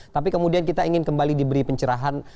tapi kemudian kita ingin kembali diberi pencerahan